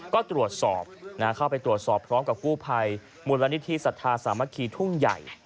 ก็ตรวจสอบเข้าไปตรวจสอบพร้อมกับกู้ภัยมูลนิธิสัทธาสามัคคีทุ่งใหญ่